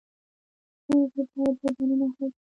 ستونزې باید له دننه حل شي.